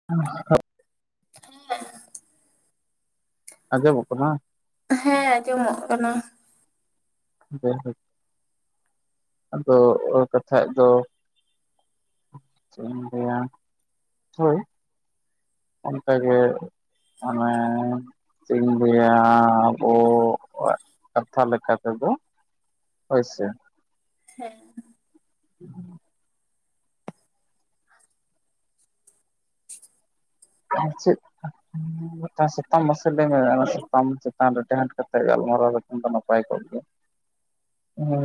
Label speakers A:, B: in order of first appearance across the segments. A: [inaudible]
B: [unintelligible]
A: ᱟᱡᱚᱢᱚᱜ ᱠᱟᱱᱟ
B: ᱦᱮᱸ ᱟᱡᱚᱢᱚᱜ ᱠᱟᱱᱟ
A: [unintelligible] ᱟᱫᱚ ᱚ ᱠᱟᱛᱷᱟᱡ ᱫᱚ ᱪᱮᱫ ᱤᱧ ᱞᱟᱹᱭᱟ ᱦᱳᱭ ᱚᱱᱛᱮᱜᱮ ᱚᱱᱮ ᱪᱮᱫ ᱤᱧ ᱞᱟᱹᱭᱟ ᱚ ᱠᱟᱛᱷᱟ ᱞᱮᱠᱟ ᱛᱮᱫᱚ ᱦᱳᱭ ᱥᱮ
B: ᱦᱮᱸ
A: [inaudible] [unintelligible] ᱪᱮᱫ ᱥᱟᱛᱟᱢ ᱢᱟᱥᱮ ᱞᱟᱹᱭ ᱢᱮ ᱚᱱᱟ ᱥᱟᱛᱟᱢ ᱪᱮᱛᱟᱱ ᱨᱮ ᱰᱮᱦᱟᱸᱴ ᱠᱟᱛᱮ ᱜᱟᱞᱢᱟᱨᱟᱣ ᱞᱮᱠᱷᱟᱱ ᱫᱚ ᱱᱟᱯᱟᱭ ᱠᱚᱜ ᱜᱮᱭᱟ
B: [inaudible] [inaudible]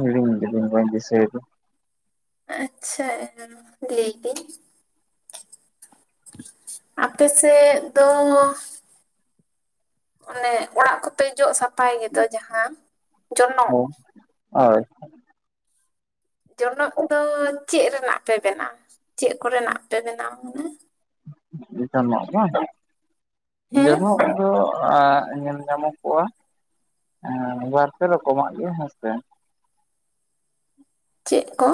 A: ᱦᱤᱲᱤᱧ ᱠᱤᱫᱤᱧ ᱵᱟᱹᱧ ᱫᱤᱥᱟᱭᱫᱟ
B: ᱟᱪᱪᱷᱟ [unintelligible] ᱞᱟᱹᱭ ᱫᱤᱱ ᱟᱯᱮ ᱥᱮᱫ ᱫᱚ ᱚᱱᱮ ᱚᱲᱟᱜ ᱠᱚᱯᱮ ᱡᱚᱜ ᱥᱟᱯᱷᱟᱭ ᱜᱮᱫᱚ ᱡᱟᱦᱟᱸ ᱡᱚᱱᱚᱜ
A: ᱦ ᱦᱳᱭ
B: ᱡᱚᱱᱚᱜᱽ ᱫᱚ ᱪᱮᱫ ᱨᱮᱱᱟᱜ ᱯᱮ ᱵᱮᱱᱟᱣᱟ ᱪᱮᱫ ᱠᱚᱨᱮᱱᱟᱜ ᱯᱮ ᱵᱮᱱᱟᱣᱟ ᱦᱩᱱᱟᱹ
A: ᱡᱚᱱᱚᱜ ᱢᱟ
B: ᱦᱮᱸ
A: ᱡᱚᱱᱚᱜ ᱫᱚ ᱧᱮᱞ ᱧᱟᱢᱚᱜᱚᱜᱼᱟ ᱦᱮᱸ ᱵᱟᱨ ᱯᱮ ᱨᱚᱠᱚᱢᱟᱜ ᱜᱮ ᱦᱮᱸᱥᱮ
B: ᱪᱮᱫ ᱠᱚ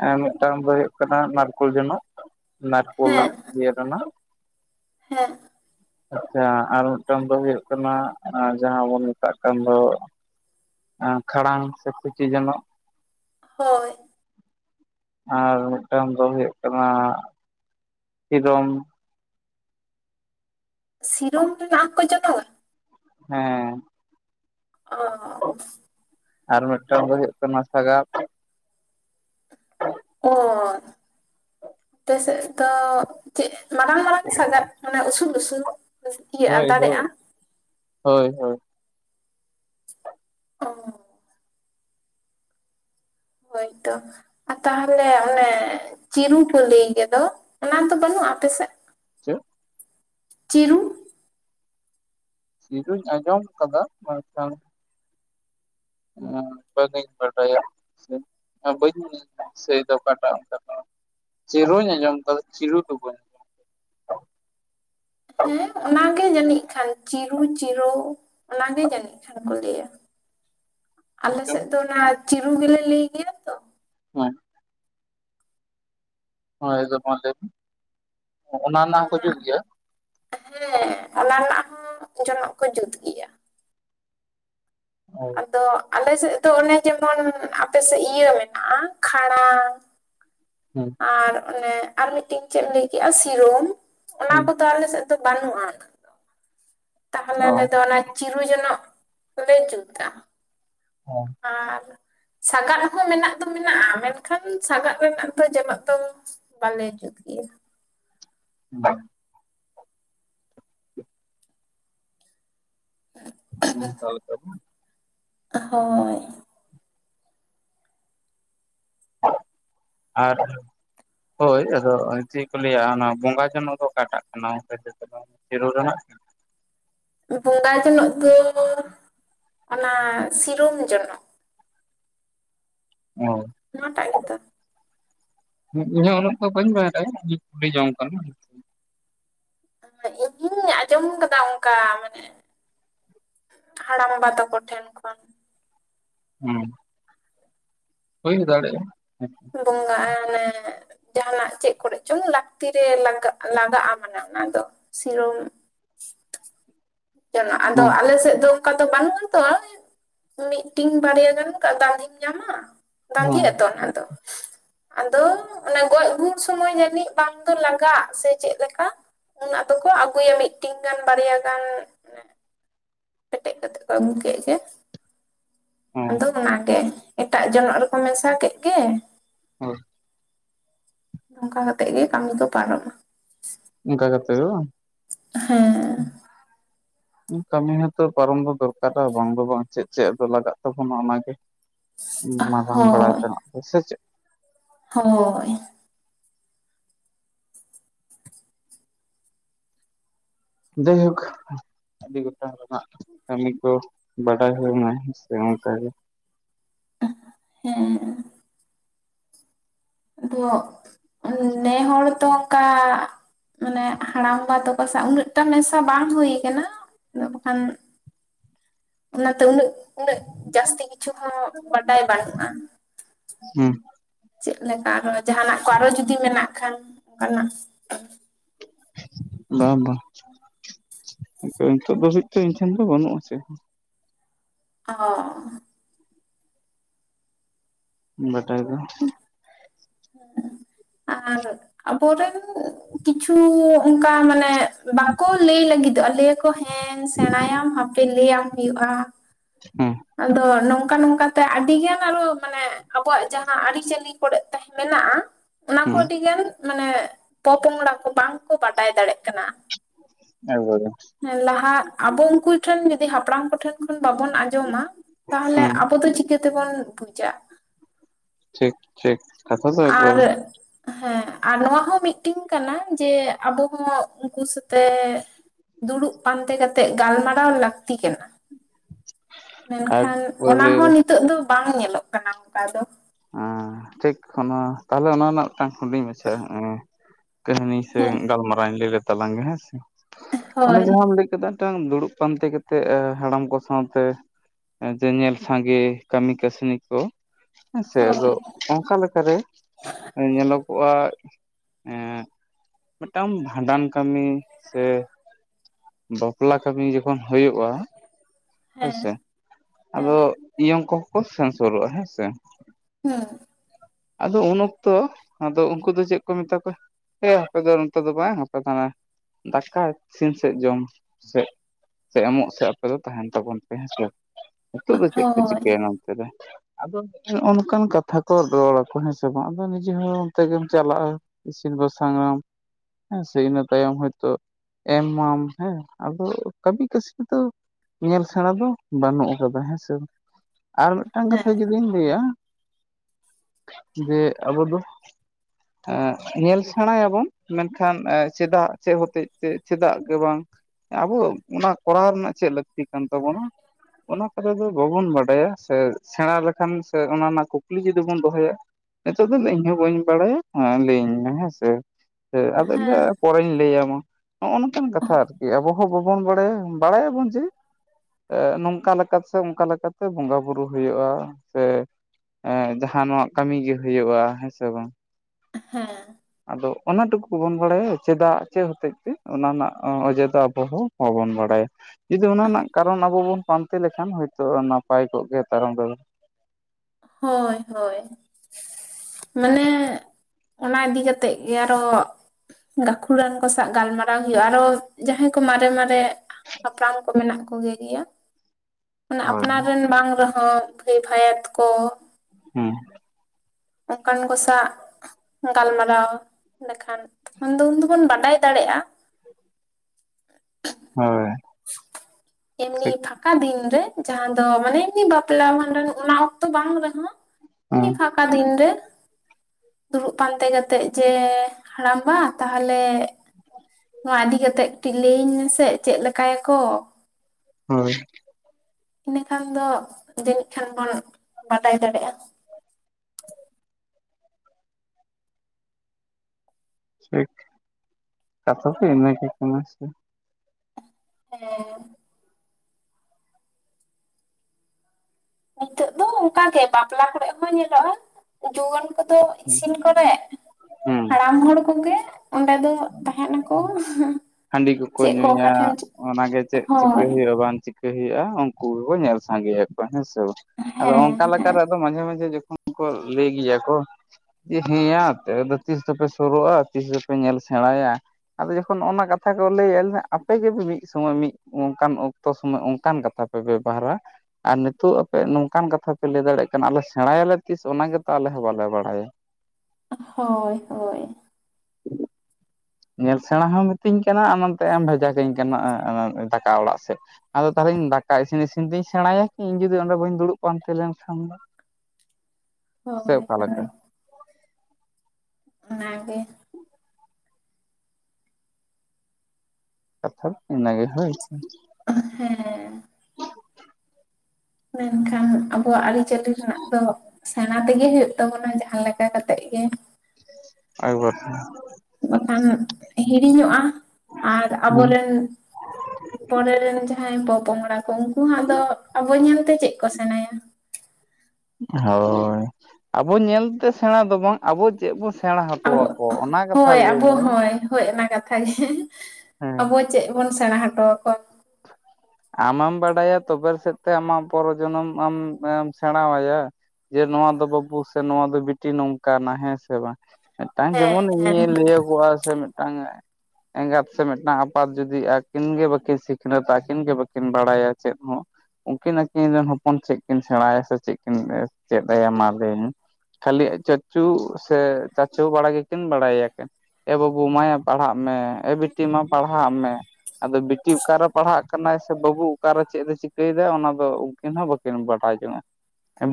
A: ᱦᱮᱸ ᱢᱤᱫᱴᱟᱝ ᱫᱚ ᱦᱩᱭᱩᱜ ᱠᱟᱱᱟ ᱱᱟᱨᱠᱳᱞ ᱡᱚᱱᱚᱜ ᱱᱟᱨᱠᱳᱞ
B: ᱦᱮᱸ
A: ᱤᱭᱟ ᱨᱮᱱᱟᱜ
B: ᱦᱮᱸ
A: ᱟᱪᱪᱷᱟ ᱟᱨ ᱢᱤᱫᱴᱟᱝ ᱫᱚ ᱦᱩᱭᱩᱜ ᱠᱟᱱᱟ ᱡᱟᱦᱟᱸ ᱵᱚᱱ ᱢᱮᱛᱟᱜ ᱠᱟᱱ ᱫᱚ ᱠᱷᱟᱲᱟᱝ ᱥᱮ ᱠᱩᱪᱤ ᱡᱚᱱᱚᱜ
B: ᱦᱳᱭ
A: ᱟᱨ ᱢᱤᱫᱴᱟᱝ ᱫᱚ ᱦᱩᱭᱩᱜ ᱠᱟᱱᱟ ᱥᱤᱨᱚᱢ
B: ᱥᱤᱨᱚᱢ ᱨᱮᱱᱟᱜ ᱦᱚᱠᱚ ᱡᱚᱱᱚᱜᱽ-ᱟ
A: ᱦᱮᱸ
B: ᱚᱻ
A: ᱟᱨ ᱢᱤᱫᱴᱟᱝ ᱫᱚ ᱦᱩᱭᱩᱜ ᱠᱟᱱᱟ ᱥᱟᱜᱟᱫ
B: ᱚ ᱛᱮᱥᱮᱫ ᱫᱚ ᱪᱮᱫ ᱢᱟᱨᱟᱝ ᱢᱟᱨᱟᱝ ᱥᱟᱜᱟᱫ ᱢᱟᱱᱮ ᱩᱥᱩᱞᱼ ᱩᱥᱩᱞ ᱤᱭᱟᱹᱜᱼᱟ
A: ᱦᱳᱭ ᱦᱳᱭ
B: ᱫᱟᱲᱮᱜᱼᱟ
A: ᱦᱳᱭ ᱦᱳᱭ
B: ᱚᱻ ᱦᱳᱭ ᱛᱚ ᱟᱨ ᱛᱟᱦᱚᱞᱮ ᱚᱱᱮ ᱪᱤᱨᱩ ᱠᱚ ᱞᱟᱹᱭ ᱜᱮᱫᱚ ᱚᱱᱟ ᱫᱚ ᱵᱟᱹᱱᱩᱜᱼᱟ ᱟᱯᱮᱥᱮᱫ
A: ᱪᱮᱫ
B: ᱪᱤᱨᱩ
A: ᱪᱤᱨᱩᱧ ᱟᱸᱡᱚᱢ ᱟᱠᱟᱫᱟ ᱢᱮᱱᱠᱷᱟᱱ ᱵᱟᱝᱤᱧ ᱵᱟᱰᱟᱭᱟ ᱵᱟᱹᱧ ᱥᱮ ᱫᱚ ᱚᱠᱟᱴᱟᱜ ᱚᱠᱟᱴᱟᱜ ᱪᱤᱨᱩᱧ ᱟᱸᱡᱚᱢ ᱟᱠᱟᱫᱟ ᱪᱤᱨᱩ ᱫᱚ ᱵᱟᱝ
B: ᱦᱮᱸ ᱚᱱᱟᱜᱮ ᱡᱟᱹᱱᱤᱡ ᱠᱷᱟᱱ ᱪᱤᱨᱩ ᱪᱤᱨᱚ ᱚᱱᱟᱜᱮ ᱡᱟᱹᱱᱤᱡ ᱠᱷᱟᱱ ᱠᱚ ᱞᱟᱹᱭ-ᱟ ᱟᱞᱮ
A: ᱪᱚᱝ
B: ᱥᱮᱫ ᱫᱚ ᱚᱱᱟ ᱪᱤᱨᱩ ᱜᱮᱞᱮ ᱞᱟᱹᱭ ᱜᱮᱭᱟ ᱛᱚ
A: ᱦᱳᱭ [inaudible] ᱦᱳᱭ ᱟᱫᱚ ᱢᱟ ᱞᱟᱹᱭ ᱢᱮ ᱚᱱᱟ ᱨᱮᱱᱟᱜ ᱦᱚᱸ ᱦᱤᱡᱩᱜ ᱜᱮᱭᱟ᱾
B: ᱦᱮᱸ ᱚᱱᱟ ᱨᱮᱱᱟᱜ ᱦᱚᱸ ᱡᱚᱱᱚᱜ ᱠᱚ ᱡᱩᱛ ᱠᱮᱜᱼᱟ᱾
A: ᱦᱳᱭ
B: ᱟᱫᱚ ᱟᱞᱮ ᱥᱮᱫ ᱫᱚ ᱚᱱᱮ ᱡᱮᱢᱚᱱ ᱟᱯᱮ ᱥᱮᱫ ᱤᱭᱟᱹ ᱢᱮᱱᱟᱜᱼᱟ, ᱠᱷᱟᱲᱟᱝ
A: ᱦᱩᱸ
B: ᱟᱨ ᱚᱱᱮ ᱟᱨ ᱢᱤᱫᱴᱤᱱ ᱪᱮ-ᱮᱢ ᱞᱟᱹᱭ ᱠᱮᱼᱟ ᱥᱤᱨᱚᱢ ᱚᱱᱟ ᱠᱚᱫᱚ ᱟᱞᱮ ᱥᱮᱜᱼᱼ ᱫᱚ ᱵᱟᱹᱱᱩᱜᱼᱟ ᱛᱟᱦᱚᱞᱮ
A: ᱚ
B: ᱟᱞᱮ ᱫᱚ ᱚᱱᱟ᱾ ᱪᱤᱨᱩ ᱡᱚᱱᱚᱜ ᱞᱮ ᱡᱩᱛᱟ᱾
A: ᱦᱮᱸ
B: ᱟᱨ, ᱥᱟᱜᱟᱫ ᱦᱚᱸ ᱢᱮᱱᱟᱜ ᱫᱚ ᱢᱮᱱᱟᱜᱼᱟ ᱢᱮᱱᱠᱷᱟᱱ ᱥᱟᱜᱟᱫ ᱨᱮᱱᱟᱜ ᱫᱚ ᱡᱮᱱᱚᱜ ᱫᱚ ᱵᱟᱞᱮ ᱡᱩᱛ ᱜᱮᱭᱟ᱾
A: ᱵᱟᱸ [inaudible]
B: ᱦᱳᱭ᱾
A: ᱟᱨ, ᱦᱳᱭ ᱟᱫᱚ ᱪᱤᱜ ᱠᱚ ᱞᱟᱹᱭ-ᱟ ᱱᱚᱣᱟ ᱵᱚᱸᱜᱟ ᱴᱮᱱ ᱢᱟᱠᱚ ᱠᱟᱴᱟᱜ ᱠᱟᱱᱟ [inaudible] ᱪᱤᱨᱩ ᱨᱮᱱᱟᱜ᱾
B: ᱵᱚᱸᱰᱟ ᱡᱚᱱᱚᱜ ᱫᱚ ᱚᱱᱟ ᱥᱤᱨᱚᱢ ᱡᱚᱱᱚᱜ᱾
A: ᱦᱚᱸ
B: ᱱᱚᱣᱟ ᱴᱟᱜ ᱜᱮᱛᱚ᱾
A: ᱸ ᱤᱧᱦᱚ ᱦᱚᱸ ᱩᱱᱟᱹᱜ ᱫᱚ ᱵᱟᱹᱧ ᱵᱟᱲᱟᱭ ᱫᱟ ᱤᱧᱦᱩᱧ ᱠᱩᱞᱤ ᱡᱚᱝ ᱠᱟᱱᱟ᱾
B: ᱤᱧᱤᱧ ᱟᱸᱡᱚᱢ ᱟᱠᱟᱫᱟ ᱚᱱᱠᱟ ᱢᱟᱱᱮ ᱦᱟᱲᱟᱢᱵᱟ ᱛᱟᱠᱚ ᱴᱷᱮᱱ ᱠᱷᱚᱱ᱾
A: ᱦᱮᱸ ᱦᱩᱭ ᱦᱚᱸ ᱫᱟᱲᱮᱭᱟᱜᱼᱟ᱾
B: ᱵᱚᱸᱜᱟᱜᱼᱟᱞᱮ ᱡᱟᱦᱟᱱᱟᱜ ᱪᱮᱫ ᱠᱚᱨᱮ ᱪᱚᱝ ᱞᱟᱹᱠᱛᱤ ᱨᱮ ᱞᱟᱜᱟᱜᱼᱟ ᱢᱟᱱᱮ ᱚᱱᱟ ᱫᱚ, ᱥᱤᱨᱚᱢ᱾ ᱡᱚᱱᱚᱜ ᱟᱫᱚ ᱟᱞᱮ ᱥᱮᱫ ᱫᱚ ᱠᱟ ᱫᱚ ᱵᱟᱹᱱᱩᱜᱼᱟ ᱛᱚ [inaudible] ᱢᱤᱫᱴᱤᱱ ᱵᱟᱨᱭᱟ ᱜᱟᱱ ᱠᱟᱫᱟᱢ ᱤᱧ ᱧᱟᱢᱟ᱾
A: ᱦᱮᱸ
B: ᱜᱟᱸᱫᱦᱤᱜ ᱟᱛᱚ ᱟᱫᱚ ᱚᱱᱟ ᱫᱚ᱾ ᱟᱫᱚ ᱚᱱᱟ ᱜᱚᱡ ᱜᱩᱨ ᱥᱚᱢᱚᱭ ᱡᱟᱹᱱᱤᱡ ᱵᱟᱝ ᱫᱚ ᱞᱟᱜᱟᱜ ᱥᱮ ᱪᱮᱫᱞᱮᱠᱟ᱾ ᱩᱱᱟ ᱫᱚᱠᱚ ᱟᱹᱜᱩᱭᱟ ᱢᱤᱫᱴᱤᱱ ᱜᱟᱱ ᱵᱟᱨᱭᱟ ᱜᱟᱱ᱾ ᱯᱮᱴᱮᱡ ᱠᱟᱛᱮ ᱠᱚ ᱟᱹᱜᱩ ᱠᱮᱫ ᱜᱮ
A: ᱦᱮᱸ
B: ᱟᱫᱚ ᱚᱱᱟᱜᱮ᱾ ᱮᱴᱟᱜ ᱡᱚᱱᱚᱜ ᱨᱮᱠᱚ ᱢᱮᱥᱟ ᱠᱮᱜ ᱜᱮ᱾
A: ᱦᱳᱭ
B: ᱱᱚᱝᱠᱟ ᱠᱟᱛᱮᱜ ᱜᱮ ᱠᱟᱹᱢᱤ ᱠᱚ ᱯᱟᱨᱚᱢᱟ᱾
A: ᱚᱱᱠᱟ ᱠᱟᱛᱮᱜᱮ ᱵᱟᱝ?
B: ᱦᱮᱸ
A: ᱦᱮᱸ [inaudible] ᱠᱟᱹᱢᱤ ᱦᱚᱸᱛᱚ ᱯᱟᱨᱚᱢ ᱫᱚ ᱫᱚᱨᱠᱟᱨᱟ ᱵᱟᱝ ᱫᱚ ᱵᱟᱝ ᱪᱮᱫᱻᱪᱮᱫ ᱠᱚ ᱞᱟᱜᱟᱜ ᱛᱟᱵᱚᱱᱟ ᱚᱱᱟᱜᱮ᱾ ᱢᱟᱨᱟᱝ ᱵᱟᱲᱟᱭ
B: ᱦᱳᱭ
A: ᱠᱟᱱᱟ ᱦᱚᱭ ᱥᱮ ᱪᱮᱫ᱾
B: ᱦᱳᱭ,
A: ᱡᱟᱹᱭᱦᱳᱠ, ᱟᱹᱰᱤ ᱜᱚᱴᱟᱝ ᱨᱮᱱᱟᱜ ᱠᱟᱹᱢᱤ ᱠᱚ ᱵᱟᱰᱟᱭ ᱦᱩᱭᱱᱟ ᱦᱮᱸ ᱥᱮ ᱚᱱᱠᱟ ᱜᱮ᱾
B: ᱦᱮᱸ ᱫᱚᱜ ᱱᱮ ᱦᱚᱲ ᱛᱚ ᱟᱠᱟ, ᱢᱟᱱᱮ ᱦᱟᱲᱟᱢᱵᱟ ᱛᱚᱠᱚ ᱥᱟᱶ ᱩᱱᱟᱹᱜ ᱴᱟ ᱢᱮᱥᱟ ᱵᱟᱝ ᱦᱩᱭ ᱟᱠᱟᱱᱟ᱾ ᱟᱫᱚ ᱵᱟᱠᱷᱟᱱ ᱚᱱᱟᱛᱮ ᱩᱱᱟᱹᱜ ᱩᱱᱟᱹᱜ ᱡᱟᱹᱥᱛᱤ ᱠᱤᱪᱷᱩ ᱦᱚᱸ ᱵᱟᱰᱟᱭ ᱵᱟᱹᱱᱩᱜᱼᱟ
A: ᱦᱮᱸ [inaudible]
B: ᱪᱮᱫ ᱞᱮᱠᱟ ᱟᱨᱚᱸ ᱡᱟᱦᱟᱱᱟᱜ ᱠᱚ ᱟᱨ ᱦᱚᱸ ᱡᱚᱫᱤ ᱢᱮᱱᱟᱜ ᱠᱷᱟᱱ ᱚᱱᱠᱟᱱᱟᱜ
A: ᱵᱟᱝ ᱵᱟᱝ ᱱᱤᱛᱚᱜ ᱫᱷᱟᱹᱵᱤᱡ ᱛᱚ ᱤᱧ ᱴᱷᱮᱱ ᱫᱚ ᱵᱟᱹᱱᱩᱜᱼᱟᱥᱮ
B: ᱚᱻ
A: ᱵᱟᱰᱟᱭ ᱵᱟ
B: ᱟᱨ ᱟᱵᱚᱨᱮᱱ ᱠᱤᱪᱷᱩᱻ ᱚᱱᱠᱟ ᱢᱟᱱᱮ ᱵᱟᱠᱚ ᱞᱟᱹᱭ ᱞᱟᱹᱜᱤᱫᱚᱜᱼᱟ ᱞᱟᱹᱭ ᱟᱠᱚ ᱦᱮᱸ ᱥᱮᱬᱟᱭᱟᱢ ᱦᱟᱯᱮ ᱞᱟᱹᱭᱟᱢ ᱦᱩᱭᱩᱜᱼᱟ
A: ᱦᱮᱸ
B: ᱟᱫᱚ ᱱᱚᱝᱠᱟ ᱱᱚᱝᱠᱟ ᱛᱮ ᱟᱹᱰᱤᱜᱟᱱ ᱟᱨᱚ ᱢᱟᱱᱮ ᱟᱵᱚᱣᱟᱜ ᱡᱟᱦᱟᱸ ᱟᱹᱨᱤᱪᱟᱹᱞᱤ ᱠᱚᱨᱮᱫ ᱛᱟᱦᱮᱸ ᱢᱮᱱᱟᱜᱼᱟ ᱚᱱᱟ ᱠᱚ
A: ᱦᱩᱸ
B: ᱟᱹᱰᱤ ᱜᱟᱱ ᱢᱟᱱᱮ ᱯᱚ-ᱯᱚᱝᱲᱟ ᱠᱚ ᱵᱟᱝ ᱠᱚ ᱵᱟᱰᱟᱭ ᱫᱟᱲᱮᱭᱟᱜ ᱠᱟᱱᱟ
A: ᱮᱠᱵᱟᱨᱮ
B: ᱦᱮᱸ ᱞᱟᱦᱟ ᱟᱵᱚ ᱩᱱᱠᱩ ᱴᱷᱮᱸᱱ ᱡᱚᱫᱤ ᱦᱟᱯᱲᱟᱢ ᱠᱚᱴᱷᱮᱱ ᱠᱷᱚᱱ ᱵᱟᱵᱚᱱ ᱟᱸᱡᱚᱢᱟ ᱛᱟᱦᱚᱞᱮ
A: ᱦᱩᱸ
B: ᱟᱵᱚ ᱫᱚ ᱪᱤᱠᱟᱹ ᱛᱮᱵᱚᱱ ᱵᱩᱡᱟ
A: ᱴᱷᱤᱠ ᱴᱷᱤᱠ ᱠᱟᱛᱷᱟ ᱫᱚ ᱮᱠᱵᱟᱨ
B: ᱟᱨ ᱦᱮᱸ ᱟᱨ ᱱᱚᱣᱟ ᱦᱚᱸ ᱢᱤᱫᱴᱤᱝ ᱠᱟᱱᱟ ᱡᱮ ᱟᱵᱚ ᱦᱚᱸ ᱩᱱᱠᱩ ᱥᱟᱹᱛᱮ ᱫᱩᱲᱩᱵ ᱯᱟᱱᱛᱮ ᱠᱟᱛᱮᱜ ᱜᱟᱞᱢᱟᱨᱟᱣ ᱞᱟᱹᱠᱛᱤ ᱠᱟᱱᱟ ᱢᱮᱱᱠᱷᱟᱱ ᱚᱱᱟ
A: ᱮᱠᱵᱟᱨᱮ
B: ᱦᱚᱸ ᱱᱤᱛᱚᱜ ᱫᱚ ᱵᱟᱝ ᱧᱮᱞᱚᱜ ᱠᱟᱱᱟ ᱚᱱᱠᱟ ᱫᱚ
A: ᱦᱮᱸ ᱴᱷᱤᱠ ᱛᱟᱦᱞᱮ ᱚᱱᱟ ᱨᱮᱱᱟᱜ ᱢᱤᱫᱴᱟᱝ ᱦᱩᱰᱤᱧ ᱢᱮᱪᱷᱟ ᱠᱟᱹᱦᱱᱤ ᱥᱮ ᱜᱟᱞᱢᱟᱨᱟᱣᱤᱧ ᱞᱟᱹᱭ ᱞᱮ ᱛᱟᱞᱟᱝ ᱜᱮ ᱦᱮᱸ ᱥᱮ ᱩᱱᱤ
B: ᱦᱳᱭ
A: ᱡᱟᱦᱟᱸᱢ ᱞᱟᱹᱭ ᱪᱮᱫᱟᱜᱴᱟᱝ ᱫᱩᱲᱩᱵ ᱯᱟᱱᱛᱮ ᱠᱟᱛᱮᱫ ᱦᱟᱲᱟᱢ ᱠᱚ ᱥᱟᱶᱛᱮ ᱡᱮ ᱧᱮᱞ ᱥᱟᱸᱜᱮ ᱠᱟᱹᱢᱤ ᱠᱟᱹᱥᱱᱤ ᱠᱚ ᱦᱮᱸᱥᱮ ᱟᱫᱚ
B: ᱦᱳᱭ
A: ᱚᱝᱠᱟ ᱞᱮᱠᱟᱨᱮ ᱧᱮᱞᱚᱜᱚᱜᱼᱟ ᱮᱸ ᱢᱤᱫᱴᱟᱝ ᱵᱷᱟᱸᱰᱟᱱ ᱠᱟᱹᱢᱤ ᱥᱮ ᱵᱟᱯᱞᱟ ᱠᱟᱹᱢᱤ ᱡᱚᱠᱷᱚᱱ ᱦᱩᱭᱩᱜᱳᱜᱼᱟ ᱦᱳᱭᱥᱮ ᱟᱫᱚ ᱤᱭᱚᱝ ᱠᱚᱦᱚᱸ ᱠᱚ ᱥᱮᱱ ᱥᱩᱨᱚᱜᱼᱟ ᱦᱮᱸ ᱥᱮ
B: ᱦᱮᱸ
A: ᱟᱫᱚ ᱩᱱ ᱚᱠᱛᱚ ᱟᱫᱚ ᱩᱱᱠᱩ ᱫᱚ ᱪᱮᱜ ᱠᱚ ᱢᱮᱛᱟ ᱠᱚᱣᱟ ᱦᱮ ᱟᱯᱮ ᱫᱚ ᱱᱚᱛᱮ ᱫᱚ ᱵᱟᱝ ᱟᱯᱮ ᱟᱱᱟ ᱫᱟᱠᱟ ᱤᱥᱤᱱ ᱥᱮᱫ ᱡᱚᱢ ᱥᱮᱫ ᱥᱮ ᱮᱢᱚᱜ ᱥᱮ ᱟᱯᱮ ᱫᱚ ᱛᱟᱦᱮᱱ ᱛᱟᱵᱚᱱ ᱯᱮ ᱦᱮᱸᱥᱮ ᱱᱤᱛᱚᱜ ᱫᱚ ᱪᱮᱜ ᱠᱚ
B: ᱦᱳᱭ.
A: ᱪᱤᱠᱟᱹᱭᱟ ᱱᱚᱱᱛᱮ ᱨᱮ ᱟᱫᱚ ᱱᱚᱝᱠᱟᱱ ᱠᱟᱛᱷᱟ ᱠᱚ ᱨᱚᱲ ᱦᱮᱸ ᱥᱮ ᱵᱟᱝ ᱟᱫᱚ ᱱᱤᱡᱮ ᱦᱚᱸ ᱚᱱᱛᱮ ᱜᱮᱢ ᱪᱟᱞᱟᱜᱼᱟ ᱤᱥᱤᱱ ᱵᱟᱥᱟᱝ ᱟᱢ ᱦᱮᱸ ᱥᱮ ᱤᱱᱟᱹ ᱛᱟᱭᱚᱢ ᱦᱚᱭᱛᱳ ᱮᱢᱼᱟᱢ ᱦᱮᱸ ᱟᱫᱚ ᱠᱟᱹᱢᱤ ᱠᱟᱹᱥᱤᱱ ᱫᱚ ᱧᱮᱞ ᱥᱮᱬᱟ ᱫᱚ ᱵᱟᱹᱱᱩᱜ ᱟᱠᱟᱫᱟ ᱦᱮᱸᱥᱮ ᱟᱨ ᱢᱤᱫᱴᱟᱝ ᱠᱟᱛᱷᱟ ᱡᱩᱫᱤᱧ ᱞᱟᱹᱭᱟ ᱡᱮ ᱟᱵᱚ ᱫᱚ
B: [inaudible] [inaudible]
A: ᱧᱮᱞ ᱥᱮᱬᱟᱭᱟᱵᱚᱱ ᱢᱮᱱᱠᱷᱟᱱ ᱪᱮᱫᱟᱜ ᱪᱮᱜ ᱦᱚᱛᱮᱡ ᱛᱮ ᱪᱮᱫᱟᱜ ᱜᱮ ᱵᱟᱝ ᱟᱵᱚ ᱚᱱᱟ ᱠᱚᱨᱟᱣ ᱨᱮᱱᱟᱜ ᱪᱮᱫ ᱞᱟᱹᱠᱛᱤ ᱠᱟᱱ ᱛᱟᱵᱚᱱᱟ ᱚᱱᱟ ᱠᱚᱨᱮ ᱫᱚ ᱵᱟᱵᱚᱱ ᱵᱟᱰᱟᱭᱟ ᱥᱮ ᱥᱮᱬᱟ ᱞᱮᱠᱷᱟᱱ ᱥᱮ ᱚᱱᱟ ᱨᱮᱱᱟᱜ ᱠᱩᱠᱞᱤ ᱡᱩᱫᱤ ᱵᱚᱱ ᱫᱚᱦᱚᱭᱟ ᱱᱤᱛᱚᱜ ᱫᱚ ᱤᱧ ᱦᱚᱸ ᱵᱟᱹᱧ ᱵᱟᱲᱟᱭᱟ ᱟᱨ ᱞᱟᱹᱭᱟᱹᱧ ᱢᱮ ᱦᱮᱸᱥᱮ ᱟᱫᱚ
B: ᱦᱮᱸ,
A: [unintelligible] ᱯᱚᱨᱮᱧ ᱞᱟᱹᱭ ᱟᱢᱟ ᱱᱚᱜᱼᱚ ᱱᱚᱝᱠᱟᱱ ᱠᱟᱛᱷᱟ ᱟᱨᱠᱤ ᱟᱵᱚ ᱦᱚᱸ ᱵᱟᱵᱚᱱ ᱵᱟᱲᱟᱭᱟ ᱵᱟᱲᱟᱭᱟᱵᱚᱱ ᱡᱮ ᱮ ᱱᱚᱝᱠᱟ ᱞᱮᱠᱟᱛ ᱥᱮ ᱚᱱᱠᱟ ᱞᱮᱠᱟᱛᱮ ᱵᱚᱸᱜᱟ ᱵᱩᱨᱩ ᱦᱩᱭᱩᱜᱼᱟ ᱥᱮ ᱡᱟᱦᱟᱱᱟᱜ ᱠᱟᱹᱢᱤ ᱜᱮ ᱦᱩᱭᱩᱜᱼᱟ ᱦᱮᱸ ᱥᱮ ᱵᱟᱝ
B: ᱦᱮᱸ
A: ᱟᱫᱚ ᱚᱱᱟ ᱴᱩᱠᱩ ᱵᱚᱱ ᱵᱟᱲᱟᱭᱟ ᱪᱮᱫᱟᱜ ᱪᱮᱫ ᱦᱚᱛᱮᱡ ᱛᱮ ᱚᱱᱟ ᱨᱮᱱᱟᱜ ᱚᱡᱮ ᱫᱚ ᱟᱵᱚ ᱦᱚᱸ ᱵᱟᱵᱚᱱ ᱵᱟᱲᱟᱭᱟ ᱡᱩᱫᱤ ᱚᱱᱟ ᱨᱮᱱᱟᱜ ᱠᱟᱨᱚᱱ ᱟᱵᱚ ᱵᱚᱱ ᱯᱟᱱᱛᱮ ᱞᱮᱠᱷᱟᱱ ᱦᱭᱚᱛᱚ ᱱᱟᱯᱟᱭ ᱠᱚᱜ ᱜᱮᱭᱟ ᱛᱟᱭᱚᱢ ᱨᱮ
B: ᱦᱳᱭ ᱦᱳᱭ ᱢᱟᱱᱮ ᱚᱱᱟ ᱤᱫᱤ ᱠᱟᱛᱮᱜ ᱜᱮ ᱟᱨᱚ ᱜᱟᱹᱠᱷᱩᱲᱟᱱ ᱠᱚ ᱥᱟᱜ ᱜᱟᱞᱢᱟᱨᱟᱣ ᱦᱩᱭᱩᱜᱼᱟ ᱟᱨᱚ ᱡᱟᱦᱟᱸᱭ ᱠᱚ ᱢᱟᱨᱮ ᱢᱟᱨᱮ ᱦᱟᱯᱲᱟᱢ ᱠᱚ ᱢᱮᱱᱟᱜ ᱠᱚᱜᱮ ᱜᱮᱭᱟ ᱚᱱᱮ
A: ᱦᱳᱭ
B: ᱟᱯᱱᱟᱨ ᱨᱮᱱ ᱵᱟᱝ ᱨᱮᱦᱚᱸ ᱵᱷᱟᱹᱭ ᱵᱷᱟᱭᱛ ᱠᱚ
A: ᱦᱮᱸ
B: ᱚᱱᱠᱟᱱ ᱠᱚᱥᱟᱜ ᱜᱟᱞᱢᱟᱨᱟᱣ ᱞᱮᱠᱷᱟᱱᱠᱷ ᱫᱚ ᱩᱱ ᱫᱚᱵᱚᱱ ᱵᱟᱰᱟᱭ ᱫᱟᱲᱮᱭᱟᱜᱼᱟ
A: ᱦᱳᱭ
B: [unintelligible] ᱮᱢᱱᱤ
A: ᱴᱷᱤᱠ
B: ᱯᱷᱟᱸᱠᱟ ᱫᱤᱱ ᱨᱮ ᱡᱟᱦᱟᱸ ᱫᱚ ᱢᱟᱱᱮ ᱮᱢᱱᱤ ᱵᱟᱯᱞᱟ ᱵᱷᱟᱸᱰᱟᱱ ᱚᱱᱟ ᱚᱠᱛᱚ ᱵᱟᱝ ᱨᱮᱦᱚᱸ
A: ᱦᱮᱸ
B: ᱮᱢᱱᱤ ᱯᱷᱟᱠᱟ ᱫᱤᱱᱨᱮ ᱫᱩᱲᱩᱵ ᱯᱟᱱᱛᱮ ᱠᱟᱛᱮᱜ ᱡᱮ ᱦᱟᱲᱟᱢᱵᱟ ᱛᱟᱦᱚᱞᱮ ᱱᱚᱣᱟ ᱤᱫᱤ ᱠᱟᱛᱮᱜ ᱠᱟᱹᱴᱤᱡ ᱞᱟᱹᱭᱟᱹᱧ ᱢᱮᱥᱮ ᱪᱮᱫ ᱞᱮᱠᱟᱭᱟᱠᱚ
A: ᱦᱚᱭ ᱸ
B: ᱤᱱᱟᱹ ᱠᱷᱟᱱ ᱫᱚ ᱡᱟᱹᱱᱤᱡ ᱠᱷᱟᱱ ᱵᱚᱱ ᱵᱟᱰᱟᱭ ᱫᱟᱲᱮᱭᱟᱜᱼᱟ
A: ᱴᱷᱤᱠ ᱠᱟᱛᱷᱟ ᱫᱚ ᱤᱱᱟᱹᱜᱮ ᱠᱟᱱᱟ ᱥᱮ
B: ᱦᱮᱸ ᱱᱤᱛᱚᱜ ᱫᱚ ᱚᱱᱠᱟᱜᱮ ᱵᱟᱯᱞᱟ ᱠᱚᱨᱮ ᱦᱚᱸ ᱧᱮᱞᱚᱜᱼᱟ ᱡᱩᱣᱟᱹᱱ ᱠᱚᱫᱚ ᱤᱥᱤᱱ ᱯᱚᱨᱮ
A: ᱦᱮᱸ
B: ᱦᱟᱲᱟᱢ ᱦᱚᱲ ᱠᱚᱜᱮ ᱚᱸᱰᱮ ᱫᱚ ᱛᱟᱦᱮ ᱱᱟᱠᱚ
A: ᱦᱟᱺᱰᱤ ᱠᱚᱠᱚ ᱧᱩᱭᱟ ᱚᱱᱟᱜᱮ ᱪᱮᱫ ᱪᱤᱠᱟᱹ
B: ᱦᱳᱭ
A: ᱦᱩᱭᱩᱜᱼᱟ ᱵᱟᱝ ᱪ ᱪᱤᱠᱟᱹ ᱦᱩᱭᱩᱜᱼᱟ ᱩᱱᱠᱩ ᱜᱮᱠᱚ ᱧᱮᱞ ᱥᱟᱸᱜᱮᱭᱟᱠᱚ ᱦᱮᱸ ᱥᱮ ᱵᱟᱝ ᱟᱫᱚ
B: ᱦᱮᱸ
A: ᱚᱠᱟᱞᱮᱠᱟᱨᱮ
B: ᱦᱮᱸ
A: ᱟᱫᱚ ᱢᱟᱡᱷᱮ ᱢᱟᱡᱷᱮ ᱡᱚᱠᱷᱚᱱ ᱠᱚ ᱞᱟᱹᱭ ᱜᱮᱭᱟ ᱠᱚ ᱡᱮ ᱦᱮᱸᱭᱟ ᱛᱤᱥ ᱫᱚᱯᱮ ᱥᱩᱨᱩᱜᱼᱟ ᱛᱤᱥ ᱫᱚᱯᱮ ᱧᱮᱞ ᱥᱮᱬᱟᱭᱟ ᱟᱫᱚ ᱡᱚᱠᱷᱚᱱ ᱚᱱᱟ ᱠᱟᱛᱷᱟ ᱠᱚ ᱞᱟᱹᱭᱟ ᱟᱯᱮᱜᱮᱯᱮ ᱢᱤᱫ ᱥᱚᱢᱚᱭ ᱢᱤᱫ ᱚᱱᱠᱟᱱ ᱛᱚ ᱥᱚᱢᱚᱭ ᱚᱱᱠᱟᱱ ᱠᱟᱛᱷᱟ ᱯᱮ ᱵᱮᱵᱚᱦᱟᱨᱟ ᱟᱨ ᱱᱤᱛᱚᱜ ᱟᱯᱮ ᱱᱚᱝᱠᱟᱱ ᱠᱟᱛᱷᱟ ᱯᱮ ᱞᱟᱹᱭ ᱫᱟᱲᱮᱭᱟᱜ ᱠᱟᱱᱟ ᱟᱞᱮ ᱥᱮᱬᱟᱭᱟᱞᱮ ᱛᱤᱥ ᱚᱱᱟ ᱜᱮᱛᱚ ᱟᱞᱮ ᱦᱚᱸ ᱵᱟᱞᱮ ᱵᱟᱲᱟᱭᱟ
B: ᱦᱳᱭ ᱦᱳᱭ
A: ᱧᱮᱞ ᱥᱮᱬᱟ ᱦᱚᱸ ᱢᱤᱛᱟᱹᱧ ᱠᱟᱱᱟ ᱟᱨ ᱱᱚᱛᱮᱢ ᱵᱷᱮᱡᱟ ᱠᱟᱹᱧ ᱠᱟᱱᱟ ᱫᱟᱠᱟ ᱚᱲᱟᱜ ᱥᱮᱫ ᱟᱫᱚ ᱛᱟᱦᱚᱞᱮ ᱫᱟᱠᱟ ᱤᱥᱤᱱ ᱤᱥᱤᱱ ᱛᱤᱧ ᱥᱮᱬᱟᱭᱟ ᱠᱤ ᱤᱧ ᱡᱩᱫᱤ ᱚᱸᱰᱮ ᱵᱟᱹᱧ ᱫᱩᱲᱩᱵ ᱯᱟᱱᱛᱮ ᱞᱮᱱᱠᱷᱟᱱ ᱫᱚ
B: [inaudible]
A: ᱥᱮ ᱚᱠᱟ ᱞᱮᱠᱟ
B: ᱦᱳᱭ ᱚᱱᱟ ᱜᱮ
A: ᱠᱟᱛᱷᱟ ᱫᱚ ᱤᱱᱟᱹᱜᱮ ᱦᱳᱭᱥᱮ
B: ᱟᱫᱚ ᱦᱮᱸ ᱢᱮᱱᱠᱷᱟᱱ ᱟᱵᱚᱣᱟᱜ ᱟᱹᱨᱤᱪᱟᱹᱞᱤ ᱨᱮᱱᱟᱜ ᱫᱚ ᱥᱮᱬᱟ ᱛᱮᱜᱮ ᱦᱩᱭᱩᱜ ᱛᱟᱵᱚᱱᱟ ᱡᱟᱦᱟᱸ ᱞᱮᱠᱟ ᱠᱟᱛᱮᱜ ᱜᱮ
A: ᱟᱵᱟᱨ [unintelligible]
B: ᱵᱟᱠᱷᱟᱱ ᱦᱤᱲᱤᱧᱚᱜᱼᱟ ᱟᱨ
A: ᱦᱩᱸ᱾
B: ᱟᱵᱚᱨᱮᱱ ᱯᱚᱨᱮ ᱨᱮᱱ ᱡᱟᱦᱟᱸᱭ ᱯᱚᱯᱚᱝᱲᱟ ᱠᱚ ᱩᱱᱠᱩ ᱦᱚᱸ ᱫᱚ ᱟᱵᱚ ᱧᱮᱞᱛᱮ ᱪᱮᱫ ᱠᱚ ᱥᱮᱬᱟᱭᱟ
A: ᱦᱳᱭ ᱟᱵᱚ ᱧᱮᱞᱛᱮ ᱥᱮᱬᱟ ᱫᱚ ᱵᱟᱝ ᱟᱵᱚ ᱪᱮᱫ ᱵᱚᱱ ᱥᱮᱬᱟ ᱦᱚᱴᱚ
B: ᱟᱵᱚ
A: ᱟᱠᱚ ᱚᱱᱟ ᱠᱟᱛᱷᱟ
B: ᱦᱳᱭ
A: ᱞᱟᱹᱭ
B: ᱟᱵᱚ
A: ᱢᱮ
B: ᱦᱳᱭ ᱚᱱᱟ ᱠᱟᱛᱷᱟ ᱠᱟᱛᱷᱟ ᱜᱮ
A: ᱦᱮᱸ
B: ᱟᱵᱚ ᱪᱮᱫ ᱵᱚᱱ ᱥᱮᱬᱟ ᱦᱚᱴᱚ ᱟᱠᱚᱣᱟ
A: ᱟᱢᱮᱢ ᱵᱟᱰᱟᱭᱟ ᱛᱚᱵᱮ ᱥᱮᱫ ᱛᱮ ᱟᱢᱟᱜ ᱯᱚᱨᱚᱡᱚᱱᱚᱢ ᱟᱢ ᱥᱮᱬᱟ ᱟᱭᱟ ᱡᱮ ᱱᱚᱣᱟ ᱫᱚ ᱵᱟᱹᱵᱩ ᱥᱮ ᱱᱚᱣᱟ ᱫᱚ ᱵᱤᱴᱤ ᱱᱚᱝᱠᱟᱱᱟ ᱦᱮᱸ ᱥᱮ ᱵᱟᱝ ᱢᱤᱫᱴᱟᱝ
B: ᱦᱮᱸ
A: ᱡᱮᱢᱚᱱ
B: ᱦᱮᱸ
A: ᱤᱧ ᱞᱟᱹᱭᱭᱟᱠᱚᱣᱟ [unintelligible] ᱥᱮ ᱢᱤᱫᱴᱟᱝ ᱮᱸᱜᱟᱛ ᱥᱮ ᱢᱤᱫᱴᱟᱝ ᱟᱯᱟᱛ ᱡᱩᱫᱤ ᱟᱹᱠᱤᱱ ᱜᱮ ᱵᱟᱹᱠᱤᱱ ᱥᱤ [unintelligible] ᱟᱹᱠᱤᱱ ᱜᱮ ᱵᱟᱹᱠᱤᱱ ᱵᱟᱲᱟᱭᱟ ᱪᱮᱫ ᱦᱚᱸ ᱩᱱᱠᱤᱱ ᱟᱹᱠᱤᱱ ᱨᱮᱱ ᱦᱚᱯᱚᱱ ᱪᱮᱫ ᱠᱤᱱ ᱥᱮᱬᱟᱭᱟ ᱥᱮ ᱪᱮᱫ ᱠᱤᱱ ᱪᱮᱫ ᱟᱭᱟ ᱢᱟ ᱞᱟᱹᱭ ᱢᱮ ᱠᱷᱟᱹᱞᱤ ᱪᱟᱪᱩ ᱥᱮ ᱪᱟᱪᱩ ᱵᱟᱲᱟ ᱜᱮᱠᱤᱱ ᱵᱟᱲᱟᱭᱟᱠᱤᱱ ᱮ ᱵᱟᱹᱵᱩ ᱢᱟᱭᱟ ᱯᱟᱲᱦᱟᱜ ᱢᱮ ᱮ ᱵᱤᱴᱤ ᱢᱟ ᱯᱟᱲᱦᱟᱜ ᱢᱮ ᱟᱫᱚ ᱵᱤᱴᱤ ᱚᱠᱟᱨᱮ ᱯᱟᱲᱦᱟᱜ ᱠᱟᱱᱟᱭ ᱥᱮ ᱵᱟᱹᱵᱩ ᱚᱠᱟᱨᱮ ᱪᱮᱫ ᱮ ᱪᱤᱠᱟᱹᱭᱮᱫᱟ ᱚᱱᱟ ᱫᱚ ᱩᱱᱠᱤᱱ ᱦᱚᱸ ᱵᱟᱹᱠᱤᱱ ᱵᱟᱰᱟᱭ ᱡᱚᱝᱼᱟ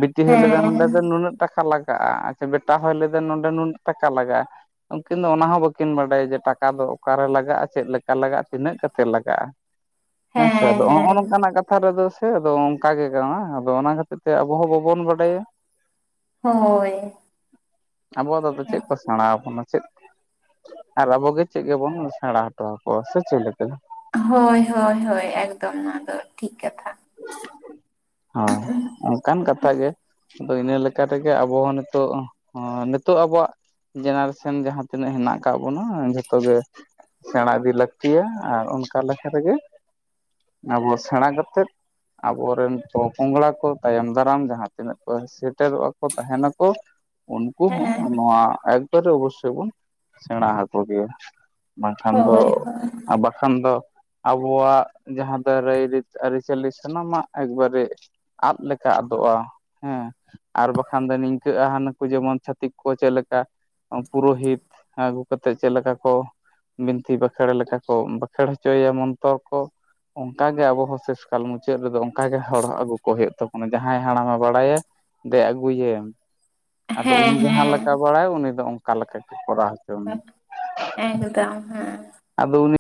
A: ᱵᱤᱴᱤ ᱦᱚᱭ ᱞᱟᱹᱭᱫᱟ ᱱᱚᱸᱰᱮ
B: ᱦᱮᱸ
A: ᱫᱚ ᱱᱩᱱᱟᱹᱜ ᱴᱟᱠᱟ ᱞᱟᱜᱟᱜᱼᱟ ᱟᱪᱪᱷᱟ ᱵᱮᱴᱟ ᱦᱚᱸᱭ ᱞᱟᱹᱭᱟ ᱱᱚᱰᱮ ᱱᱩᱱᱟᱹᱜ ᱴᱟᱠᱟ ᱞᱟᱜᱟᱜᱼᱟ ᱩᱱᱠᱤᱱ ᱫᱚ ᱚᱱᱟ ᱦᱚᱸ ᱵᱟᱹᱠᱤᱱ ᱵᱟᱰᱟᱭᱟ ᱡᱮ ᱴᱟᱠᱟ ᱫᱚ ᱚᱠᱟᱨᱮ ᱞᱟᱜᱟᱜᱼᱟ ᱪᱮᱫ ᱞᱮᱠᱟ ᱞᱟᱜᱟᱜᱼᱟ ᱛᱤᱱᱟᱹᱜ ᱠᱟᱛᱮᱫ ᱞᱟᱜᱟᱜᱼᱟ ᱦᱮ ᱥᱮ
B: ᱦᱮᱸ
A: ᱟᱫᱚ ᱱᱚᱜᱼᱚ
B: ᱦᱮᱸ
A: ᱱᱚᱝᱠᱟᱱᱟᱜ ᱠᱟᱛ ᱠᱟᱛᱷᱟ ᱨᱮᱫᱚ ᱥᱮ ᱟᱫᱚ ᱚᱱᱠᱟ ᱜᱮ ᱠᱟᱱᱟ ᱟᱫᱚ ᱚᱱᱟ ᱠᱷᱟᱹᱛᱤᱨ ᱛᱮ ᱟᱵᱚ ᱦᱚ ᱵᱟᱵᱚᱱ ᱵᱟᱰᱟᱭᱟ
B: ᱦᱳᱭ
A: ᱟᱵᱚ ᱫᱚ ᱪᱮᱫ ᱠᱚ ᱥᱮᱬᱟ ᱟᱵᱚᱱᱟ ᱪᱮᱫ ᱟᱨ ᱟᱵᱚᱜᱮ ᱪᱮᱫ ᱜᱮᱵᱚᱱ ᱥᱮᱬᱟ ᱦᱚᱴᱚ ᱟᱠᱚᱣᱟ ᱥᱮ ᱪᱮᱫᱞᱮᱠᱟ
B: ᱦᱳᱭ ᱦᱳᱭ ᱦᱳᱭ ᱮᱠᱫᱚᱢ ᱱᱚᱣᱟ ᱫᱚ ᱴᱷᱤᱠ ᱠᱟᱛᱷᱟ
A: ᱦᱳᱭ ᱚᱱᱠᱟᱱ ᱠᱟᱛᱷᱟ ᱜᱮ ᱟᱫᱚ ᱤᱱᱟ ᱞᱮᱠᱟ ᱛᱮᱜᱮ ᱟᱵᱚᱦᱚ ᱱᱤᱛᱚᱜ ᱦᱚ ᱱᱤᱛᱚᱜ ᱟᱵᱚᱣᱟᱜ ᱡᱮᱱᱟᱨᱮᱥᱮᱱ ᱡᱟᱦᱟ ᱛᱤᱱᱟᱹᱜ ᱦᱮᱱᱟᱜ ᱠᱟᱜ ᱵᱚᱱᱟ ᱡᱷᱚᱛᱚ ᱜᱮ ᱥᱮᱬᱟ ᱤᱫᱤ ᱞᱟᱹᱠᱛᱤᱭᱟ ᱟᱨ ᱚᱱᱠᱟ ᱞᱮᱠᱟ ᱨᱮᱜᱮ ᱟᱵᱚ ᱥᱮᱬᱟ ᱠᱟᱛᱮᱫ ᱟᱵᱚᱨᱮᱱ ᱯᱚᱼᱯᱚᱝᱲᱟ ᱠᱚ ᱛᱟᱭᱚᱢ ᱫᱟᱨᱟᱢ ᱡᱟᱦᱟ ᱛᱤᱱᱟᱹᱜ ᱠᱚ ᱥᱮᱴᱮᱨᱚᱜᱼᱟ ᱠᱚ ᱛᱟᱦᱮᱱᱟᱠᱚ ᱩᱱᱠᱩ ᱦᱚ
B: ᱦᱮᱸ
A: ᱱᱚᱣᱟ ᱮᱠᱵᱟᱨᱮ ᱚᱵᱚᱥᱥᱳᱭ ᱵᱚᱱ ᱥᱮᱬᱟ ᱦᱟᱠᱚ ᱜᱮᱭᱟ ᱵᱟᱝᱠᱷᱟᱱ ᱫᱚ
B: ᱦᱳᱭ ᱦᱳᱭ
A: ᱟᱨ ᱵᱟᱠᱷᱟᱱ ᱫᱚ ᱟᱵᱚᱣᱟᱜ ᱡᱟᱦᱟ ᱫᱚ ᱨᱟᱭ ᱨᱤᱛ ᱟᱹᱨᱤᱪᱟᱹᱞᱤ ᱥᱟᱱᱟᱢᱟᱜ ᱮᱠᱵᱟᱨᱮ ᱟᱫ ᱞᱮᱠᱟ ᱟᱫᱚᱜᱼᱟ ᱦᱮ ᱟᱨ ᱵᱟᱠᱷᱟᱱ ᱫᱚ ᱱᱤᱝᱠᱟᱹᱜᱼᱟ ᱦᱟᱱᱠᱩ ᱡᱮᱢᱚᱱ ᱪᱷᱟᱹᱛᱤᱠ ᱠᱚ ᱪᱮᱫ ᱞᱮᱠᱟ ᱯᱩᱨᱳᱦᱤᱛ ᱟᱹᱜᱩ ᱠᱟᱛᱮ ᱪᱮᱫ ᱞᱮᱠᱟ ᱠᱚ ᱵᱤᱱᱛᱤ ᱵᱟᱠᱷᱮᱲ ᱞᱮᱠᱟ ᱠᱚ ᱵᱟᱠᱷᱮᱲ ᱦᱚᱪᱚᱭᱮᱭᱟ ᱢᱚᱱᱛᱚᱨ ᱠᱚ ᱚᱱᱠᱟᱜᱮ ᱟᱵᱚ ᱦᱚ ᱥᱮᱥ ᱠᱟᱞ ᱢᱩᱪᱟᱹᱫ ᱨᱮᱫᱚ ᱚᱱᱠᱟᱜᱮ ᱦᱚᱲ ᱟᱹᱜᱩ ᱠᱚ ᱦᱩᱭᱩᱜ ᱛᱟᱵᱚᱱᱟ ᱡᱟᱦᱟᱸᱭ ᱦᱟᱲᱟᱢᱮ ᱵᱟᱲᱟᱭᱟ ᱫᱮᱡ ᱟᱹᱜᱩᱭᱮᱢ ᱟᱫᱚ
B: ᱦᱮᱸ
A: ᱩᱱᱤ ᱡᱟᱦᱟ
B: ᱦᱮᱸ
A: ᱞᱮᱠᱟ ᱵᱟᱲᱟᱭ ᱩᱱᱤ ᱫᱚ ᱚᱱᱠᱟ ᱞᱮᱠᱟ ᱜᱮ ᱠᱚᱨᱟᱣ ᱦᱚᱪᱚ ᱢᱮᱭᱟ
B: ᱦᱮᱸ ᱫᱟᱫᱟ ᱚᱱᱠᱟ [unintelligible]
A: ᱟᱫᱚ ᱩᱱᱤ